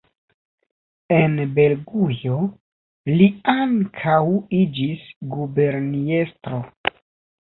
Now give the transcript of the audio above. En Belgujo li ankaŭ iĝis guberniestro.